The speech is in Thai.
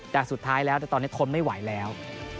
แต่สุดท้ายแล้วตอนนี้ทนไม่ไหวแล้ว